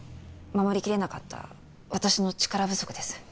守りきれなかった私の力不足です